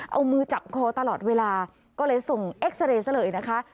เอามือจับคอตลอดเวลาก็เลยส่งเอ็กซาเรย์ซะเลยนะคะ